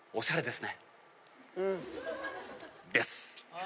・です！